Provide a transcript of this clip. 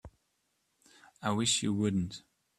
I wish you wouldn't.